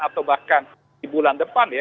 atau bahkan di bulan depan ya